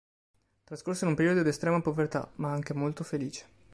Trascorsero un periodo di estrema povertà, ma anche molto felice.